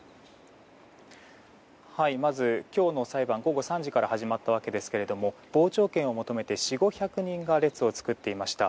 まず、今日の裁判午後３時から始まったわけですが傍聴券を求めて４００５００人が列を作っていました。